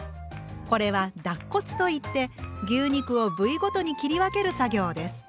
これは「脱骨」と言って牛肉を部位ごとに切り分ける作業です。